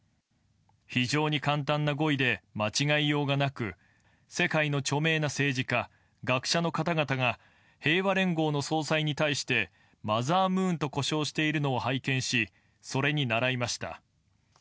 非常に簡単な語彙で、間違いようがなく、世界の著名な政治家、学者の方々が、平和連合の総裁に対してマザームーンと呼称しているのを拝見し、それにならいました。